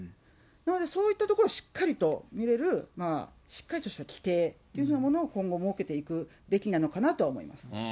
なので、そういったところをしっかりと見れる、しっかりとした規定というようなものを今後、設けていくべきなのかなとは思います。